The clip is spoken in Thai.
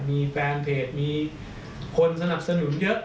มีแฟนเพจมีคนสนับสนุนเยอะ